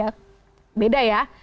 ada tanda tanda yang berbeda ya